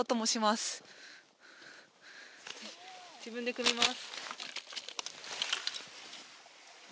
自分でくみます。